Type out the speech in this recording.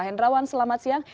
hendrawan selamat siang